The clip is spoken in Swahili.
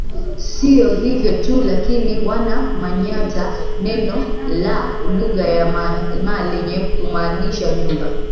Sio hivyo tu lakini wana manyata neno la lugha ya Maa lenye kumaanisha nyumba